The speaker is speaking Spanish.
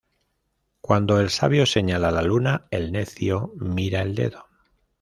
Cuando el sabio señala la luna, el necio mira el dedo